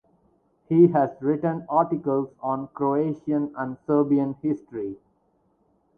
He has written articles on Croatian and Serbian history.